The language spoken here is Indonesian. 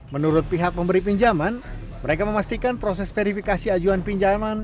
menurut pihak pemberi pinjaman mereka memastikan proses verifikasi ajuan pinjaman